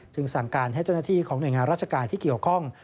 สั่งการให้เจ้าหน้าที่ของหน่วยงานราชการที่เกี่ยวข้อง